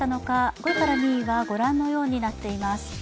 ５位から２位はご覧のような内容になっています